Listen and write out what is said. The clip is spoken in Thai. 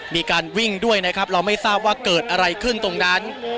มีการวิ่งด้วยนะครับเราไม่ทราบว่าเกิดอะไรขึ้นตรงนั้น